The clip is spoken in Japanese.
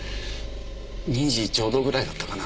２時ちょうどぐらいだったかな？